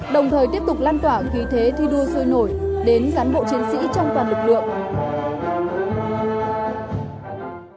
đồng thời tiếp tục lan tỏa khí thế thi đua sôi nổi đến cán bộ chiến sĩ trong toàn lực lượng